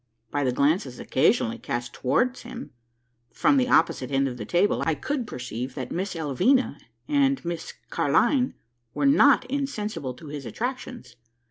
By the glances occasionally cast towards him, from the opposite end of the table, I could perceive that "Miss Alvina" and "Miss Car'line" were not insensible to his attractions.